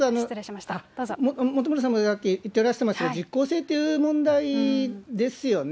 本村さんもさっき言ってらしてましたけど、実行性という問題ですよね。